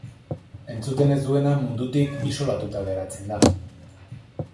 Entzuten ez duena mundutik isolatuta geratzen da.